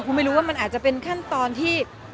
คุณไม่รู้ว่ามันอาจจะเป็นขั้นตอนที่